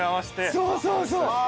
そうそうそう。